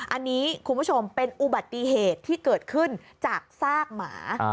อันนี้คุณผู้ชมเป็นอุบัติเหตุที่เกิดขึ้นจากซากหมา